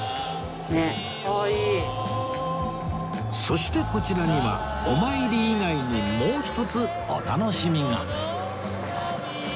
そしてこちらにはお参り以外にもう一つお楽しみが